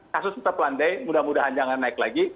kasus kita pelan pelan mudah mudahan jangan naik lagi